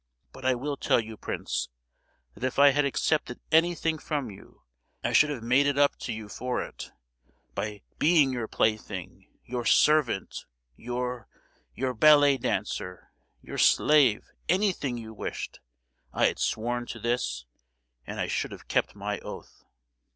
But I will tell you, Prince, that if I had accepted anything from you, I should have made it up to you for it, by being your plaything, your servant, your—your ballet dancer, your slave—anything you wished. I had sworn to this, and I should have kept my oath."